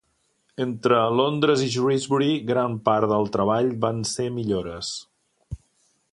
Entre Londres i Shrewsbury, gran part del treball van ser millores.